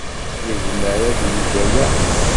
Yezmer ad yeg aya.